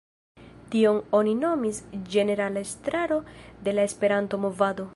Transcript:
Tion oni nomis "Ĝenerala Estraro de la Esperanto-Movado".